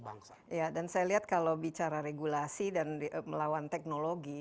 dan saya lihat kalau bicara regulasi dan melawan teknologi